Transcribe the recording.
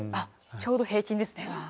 ちょうど平均ですね。